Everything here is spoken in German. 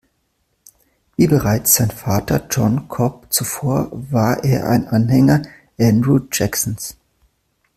Wie bereits sein Vater John Cobb zuvor war er ein Anhänger Andrew Jacksons.